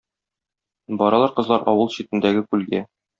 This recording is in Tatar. Баралар кызлар авыл читендәге күлгә.